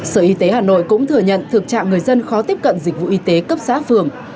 sở y tế hà nội cũng thừa nhận thực trạng người dân khó tiếp cận dịch vụ y tế cấp xã phường